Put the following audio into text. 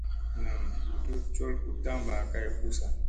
Nam tut col u tamba kay ussa.